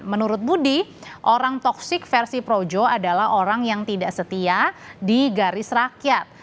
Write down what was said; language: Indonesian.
menurut budi orang toksik versi projo adalah orang yang tidak setia di garis rakyat